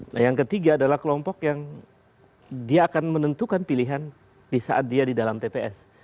nah yang ketiga adalah kelompok yang dia akan menentukan pilihan di saat dia di dalam tps